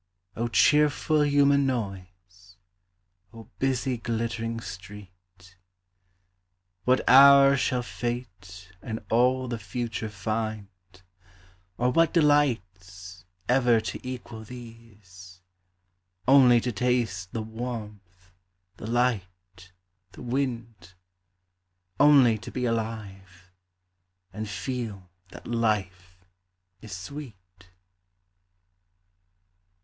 O cheerful human noise, O busy glittering street! What hour shall Fate in all the future find, Or what delights, ever to equal these: Only to taste the warmth, the light, the wind, Only to be alive, and feel that life is sweet?